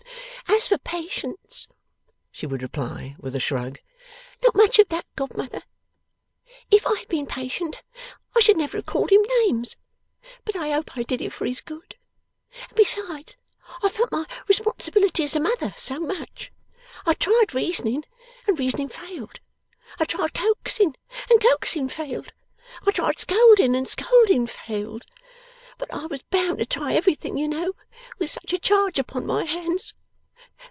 'As for patience,' she would reply with a shrug, 'not much of that, godmother. If I had been patient, I should never have called him names. But I hope I did it for his good. And besides, I felt my responsibility as a mother, so much. I tried reasoning, and reasoning failed. I tried coaxing, and coaxing failed. I tried scolding and scolding failed. But I was bound to try everything, you know, with such a charge upon my hands.